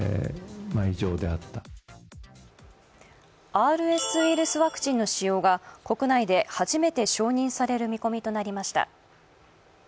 ＲＳウイルスワクチンの使用が国内で初めて承認される見込みとなりました。